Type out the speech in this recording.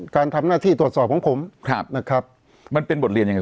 การทำหน้าที่ตรวจสอบของผมนะครับมันเป็นบทเรียนยังไง